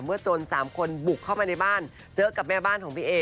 เมื่อจนสามคนบุกเข้ามาในบ้านเจอกับแม่บ้านของพี่เอ๋